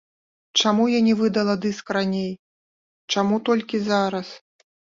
Чаму я не выдала дыск раней, чаму толькі зараз?